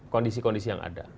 kondisi kondisi yang ada